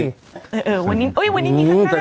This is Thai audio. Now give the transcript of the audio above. เออวันนี้อุ้ยวันนี้นี่ข้างหน้านี่